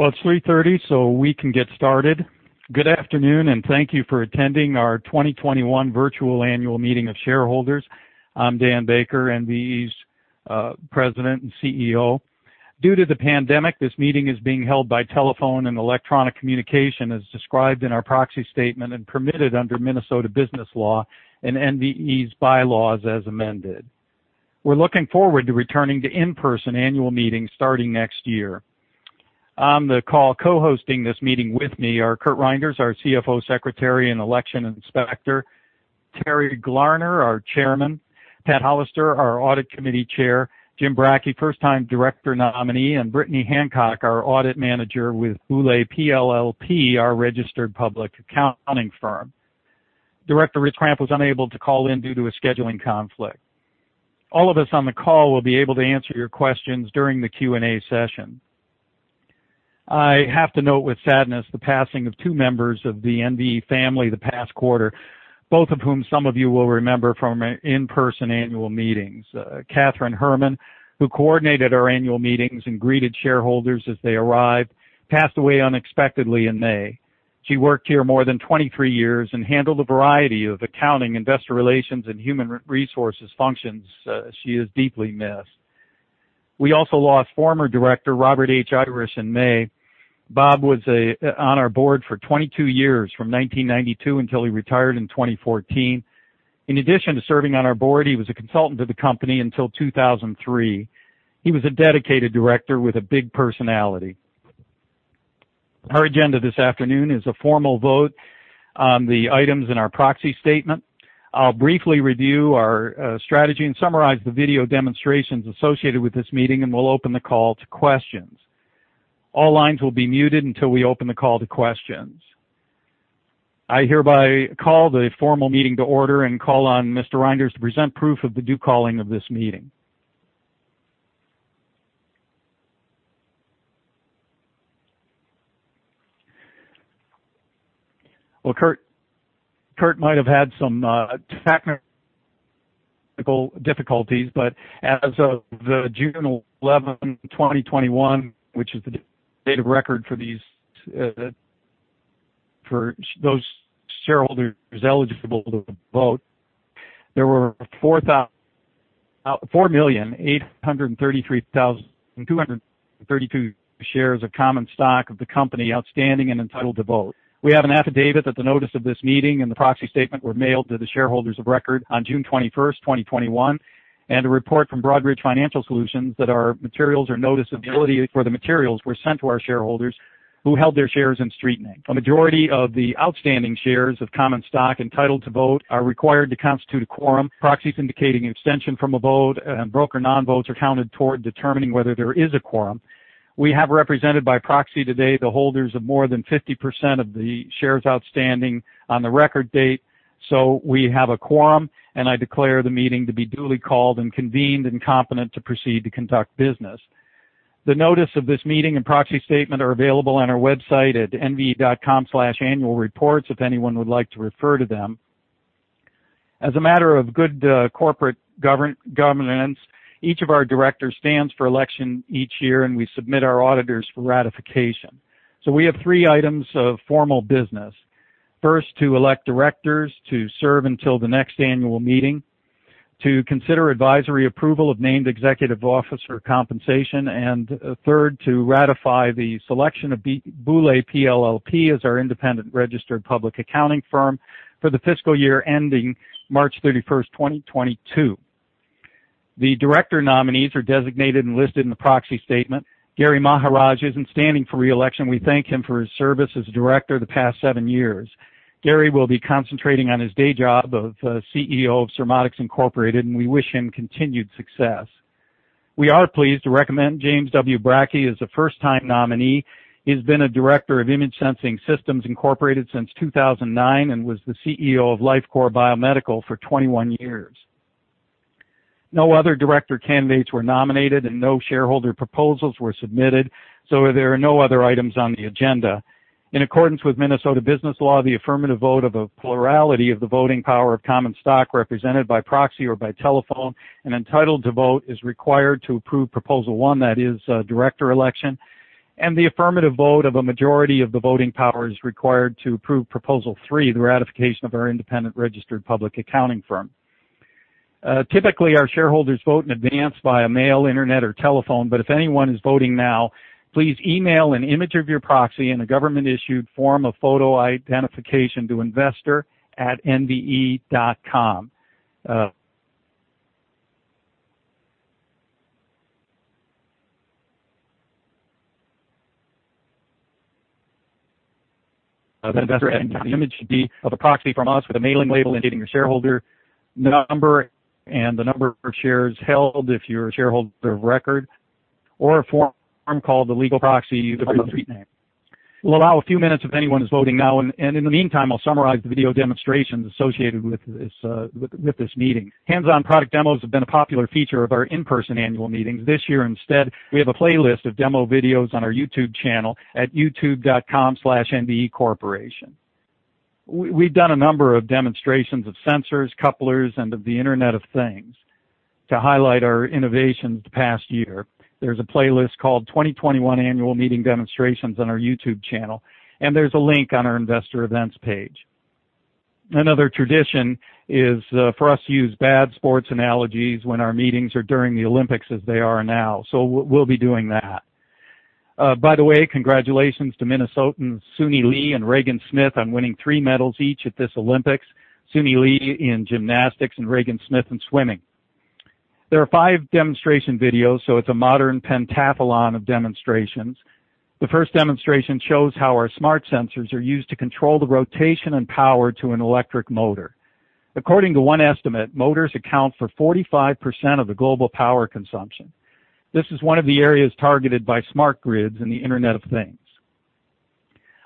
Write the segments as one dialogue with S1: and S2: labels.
S1: It's 3:30 P.M. We can get started. Good afternoon. Thank you for attending our 2021 virtual annual meeting of shareholders. I'm Dan Baker, NVE's President and CEO. Due to the pandemic, this meeting is being held by telephone and electronic communication as described in our proxy statement and permitted under Minnesota business law and NVE's bylaws as amended. We're looking forward to returning to in-person annual meetings starting next year. On the call co-hosting this meeting with me are Curt Reynders, our CFO, Secretary, and Election Inspector, Terry Glarner, our Chairman, Pat Hollister, our Audit Committee Chair, Jim Bracke, first-time Director nominee, and Brittany Hancock, our Audit Manager with Boulay PLLP, our registered public accounting firm. Director Rich Kramp was unable to call in due to a scheduling conflict. All of us on the call will be able to answer your questions during the Q&A session. I have to note with sadness the passing of two members of the NVE family the past quarter, both of whom some of you will remember from our in-person annual meetings. Catherine Herman, who coordinated our annual meetings and greeted shareholders as they arrived, passed away unexpectedly in May. She worked here more than 23 years and handled a variety of accounting, investor relations, and human resources functions. She is deeply missed. We also lost former director Robert H. Irish in May. Bob was on our board for 22 years, from 1992 until he retired in 2014. In addition to serving on our board, he was a consultant to the company until 2003. He was a dedicated director with a big personality. Our agenda this afternoon is a formal vote on the items in our proxy statement. I'll briefly review our strategy and summarize the video demonstrations associated with this meeting, and we'll open the call to questions. All lines will be muted until we open the call to questions. I hereby call the formal meeting to order and call on Mr. Reynders to present proof of the due calling of this meeting. Well, Curt might have had some technical difficulties, but as of June 11, 2021, which is the date of record for those shareholders eligible to vote, there were 4,833,232 shares of common stock of the company outstanding and entitled to vote. We have an affidavit that the notice of this meeting and the proxy statement were mailed to the shareholders of record on June 21st, 2021, and a report from Broadridge Financial Solutions that our materials or notice of ability for the materials were sent to our shareholders who held their shares in street name. A majority of the outstanding shares of common stock entitled to vote are required to constitute a quorum. Proxies indicating abstention from a vote and broker non-votes are counted toward determining whether there is a quorum. We have represented by proxy today the holders of more than 50% of the shares outstanding on the record date. We have a quorum, and I declare the meeting to be duly called and convened and competent to proceed to conduct business. The notice of this meeting and proxy statement are available on our website at nve.com/annualreports, if anyone would like to refer to them. As a matter of good corporate governance, each of our directors stands for election each year, and we submit our auditors for ratification. We have three items of formal business. First, to elect directors to serve until the next annual meeting, to consider advisory approval of named executive officer compensation, and third, to ratify the selection of Boulay PLLP as our independent registered public accounting firm for the fiscal year ending March 31st, 2022. The director nominees are designated and listed in the proxy statement. Gary Maharaj isn't standing for re-election. We thank him for his service as a director the past seven years. Gary will be concentrating on his day job of CEO of SurModics, Inc., and we wish him continued success. We are pleased to recommend James W. Bracke as a first-time nominee. He's been a director of Image Sensing Systems Incorporated since 2009 and was the CEO of Lifecore Biomedical for 21 years. No other director candidates were nominated, and no shareholder proposals were submitted, so there are no other items on the agenda. In accordance with Minnesota business law, the affirmative vote of a plurality of the voting power of common stock represented by proxy or by telephone and entitled to vote is required to approve Proposal One, that is director election, and the affirmative vote of a majority of the voting power is required to approve Proposal Three, the ratification of our independent registered public accounting firm. Typically, our shareholders vote in advance via mail, internet, or telephone, but if anyone is voting now, please email an image of your proxy and a government-issued form of photo identification to investor@nve.com. The image should be of a proxy from us with a mailing label indicating your shareholder number and the number of shares held if you're a shareholder of record or a form called the legal proxy if you vote street name. We'll allow a few minutes if anyone is voting now, and in the meantime, I'll summarize the video demonstrations associated with this meeting. Hands-on product demos have been a popular feature of our in-person annual meetings. This year instead, we have a playlist of demo videos on our YouTube channel at youtube.com/nvecorporation. We've done a number of demonstrations of sensors, couplers, and of the Internet of Things to highlight our innovations the past year. There's a playlist called 2021 Annual Meeting Demonstrations on our YouTube channel, and there's a link on our investor events page. Another tradition is for us to use bad sports analogies when our meetings are during the Olympics as they are now. We'll be doing that. By the way, congratulations to Minnesotans Suni Lee and Regan Smith on winning three medals each at this Olympics, Suni Lee in gymnastics and Regan Smith in swimming. There are five demonstration videos, so it's a modern pentathlon of demonstrations. The first demonstration shows how our Smart Sensors are used to control the rotation and power to an electric motor. According to one estimate, motors account for 45% of the global power consumption. This is one of the areas targeted by smart grids and the Internet of Things.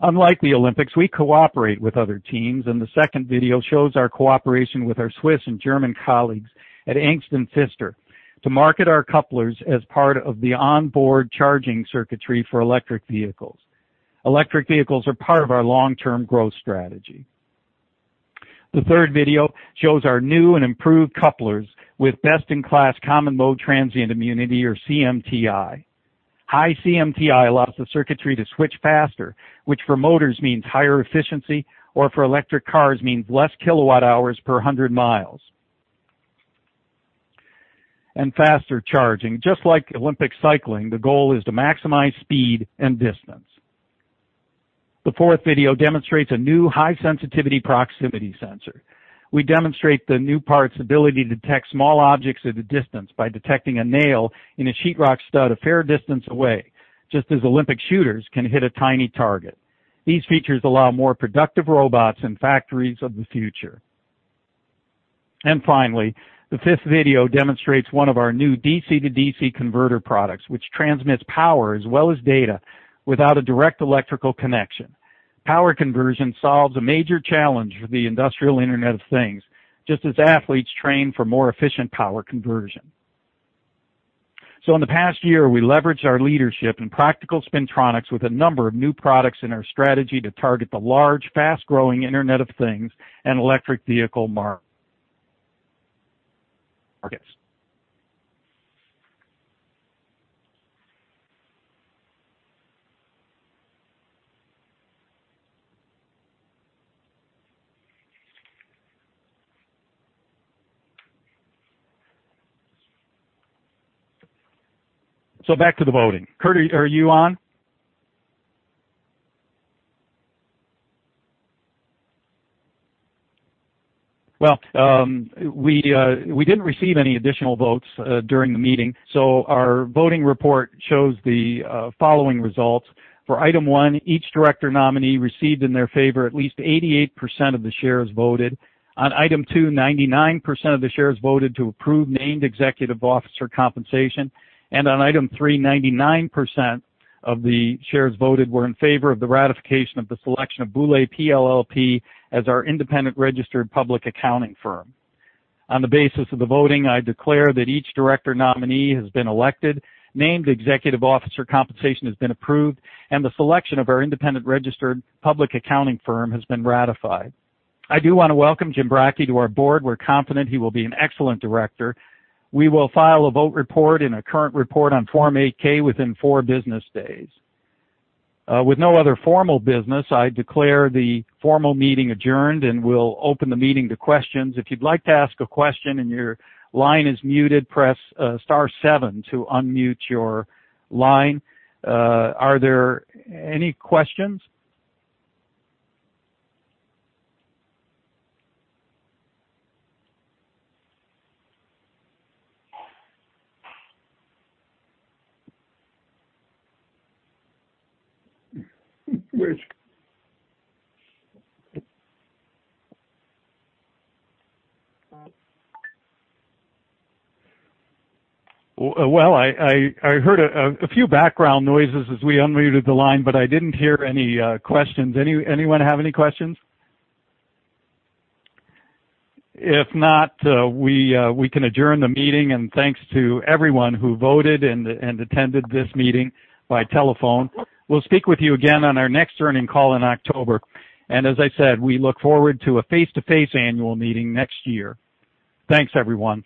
S1: Unlike the Olympics, we cooperate with other teams, and the second video shows our cooperation with our Swiss and German colleagues at Angst+Pfister to market our couplers as part of the onboard charging circuitry for electric vehicles. Electric vehicles are part of our long-term growth strategy. The third video shows our new and improved couplers with best-in-class common mode transient immunity or CMTI. High CMTI allows the circuitry to switch faster, which for motors means higher efficiency, or for electric cars means less kWh per 100 miles and faster charging. Just like Olympic cycling, the goal is to maximize speed and distance. The fourth video demonstrates a new high-sensitivity proximity sensor. We demonstrate the new part's ability to detect small objects at a distance by detecting a nail in a Sheetrock stud a fair distance away, just as Olympic shooters can hit a tiny target. Finally, the fifth video demonstrates one of our new DC to DC converter products, which transmits power as well as data without a direct electrical connection. Power conversion solves a major challenge for the industrial Internet of Things, just as athletes train for more efficient power conversion. In the past year, we leveraged our leadership in practical spintronics with a number of new products in our strategy to target the large, fast-growing Internet of Things and electric vehicle markets. Back to the voting. Curtis, are you on? Well, we didn't receive any additional votes during the meeting, so our voting report shows the following results. For item 1, each director nominee received in their favor at least 88% of the shares voted. On item 2, 99% of the shares voted to approve named executive officer compensation. On item 3, 99% of the shares voted were in favor of the ratification of the selection of Boulay PLLP as our independent registered public accounting firm. On the basis of the voting, I declare that each director nominee has been elected, named executive officer compensation has been approved, and the selection of our independent registered public accounting firm has been ratified. I do want to welcome Jim Bracke to our board. We're confident he will be an excellent director. We will file a vote report and a current report on Form 8-K within four business days. With no other formal business, I declare the formal meeting adjourned, and we'll open the meeting to questions. If you'd like to ask a question and your line is muted, press star seven to unmute your line. Are there any questions? Well, I heard a few background noises as we unmuted the line, but I didn't hear any questions. Anyone have any questions? If not, we can adjourn the meeting. Thanks to everyone who voted and attended this meeting by telephone. We'll speak with you again on our next earnings call in October. As I said, we look forward to a face-to-face annual meeting next year. Thanks, everyone.